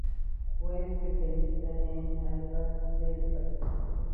Fue especialista en algas del Pacífico.